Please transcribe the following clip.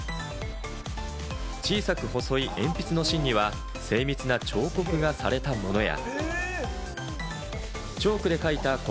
小さく細い鉛筆の芯には精密な彫刻がされたものや。